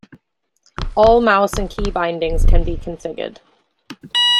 All mouse and key-bindings can be configured.